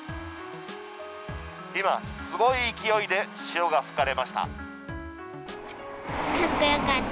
今、すごい勢いで潮が吹かれました。